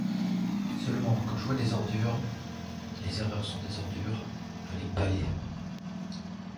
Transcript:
Seulement, quand je vois des ordures, — les erreurs sont des ordures, — je les balaie.